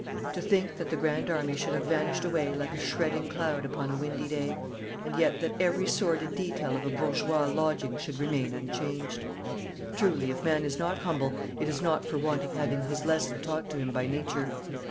To think that the Grand Army should have vanished away like a shredding cloud upon a windy day, and yet that every sordid detail of a bourgeois lodging should remain unchanged! Truly, if man is not humble it is not for want of having his lesson taught to him by Nature.